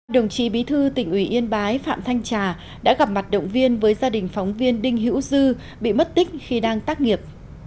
đồng chí bí thư tỉnh ủy yên bái phạm thanh trà đã gặp mặt động viên với gia đình phóng viên đinh hữu dư bị mất tích khi đang tác nghiệp